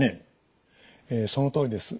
そのとおりです。